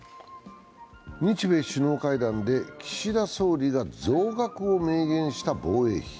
日米首脳会談で岸田総理が増額を明言した防衛費。